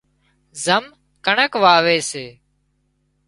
زم ڪڻڪ واوي سي